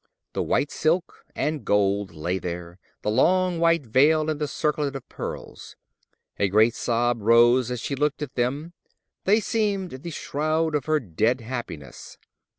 The white silk and gold lay there, the long white veil and the circlet of pearls. A great sob rose as she looked at them: they seemed the shroud of her dead happiness.